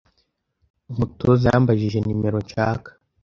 umutoza yambajije nimero nshaka